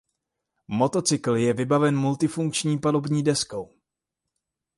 Motocykl je vybaven multifunkční palubní deskou.